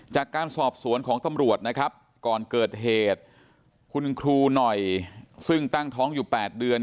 จากการสอบสวนของตำรวจนะครับก่อนเกิดเหตุคุณครูหน่อยซึ่งตั้งท้องอยู่๘เดือน